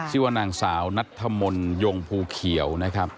ชื่อนางสาวณัชธมนต์ยงภูเขียว